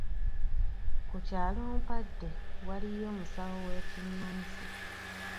Ku kyalo Mpadde, waliyo omusawo w’ekinnansi.